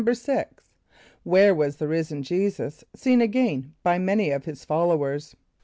"= =6.= Where was the risen J[=e]´[s+]us seen again by many of his followers?